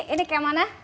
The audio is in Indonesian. ini cam mana